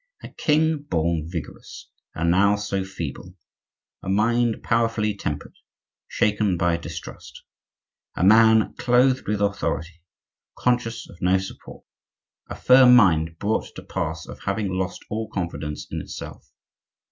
A king born vigorous, and now so feeble; a mind powerfully tempered, shaken by distrust; a man clothed with authority, conscious of no support; a firm mind brought to the pass of having lost all confidence in itself!